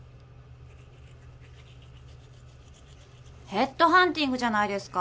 ヘッドハンティングじゃないですか。